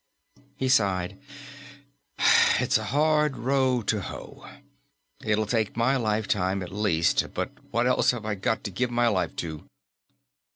He sighed. "It's a hard row to hoe. It'll take my lifetime, at least; but what else have I got to give my life to?"